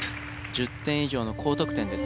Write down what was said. １０点以上の高得点です。